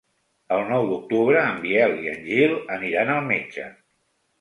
El nou d'octubre en Biel i en Gil aniran al metge.